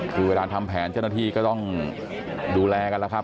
คือเวลาทำแผนเจ้าหน้าที่ก็ต้องดูแลกันแล้วครับ